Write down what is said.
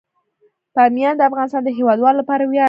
بامیان د افغانستان د هیوادوالو لپاره ویاړ دی.